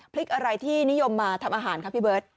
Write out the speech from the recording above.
พริกอะไรที่นิยมมาทำอาหารครับพี่เบิร์ต